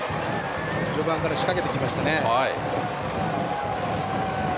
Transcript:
序盤から仕掛けてきましたね。